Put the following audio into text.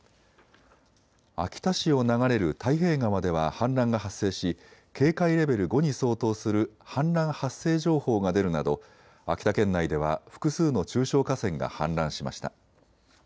秋田市を流れる太平川では氾濫が発生し警戒レベル５に相当する氾濫発生情報が出るなど秋田県内では複数の中小河川が氾濫しました。